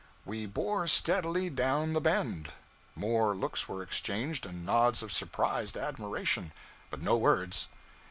We bore steadily down the bend. More looks were exchanged, and nods of surprised admiration but no words.